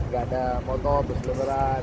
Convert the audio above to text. ga ada motor bus lukeran